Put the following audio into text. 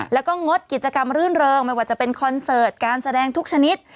แล้วก็งดกิจกรรมรื่นเริงไม่ว่าจะเป็นคอนเสิร์ตการแสดงทุกชนิด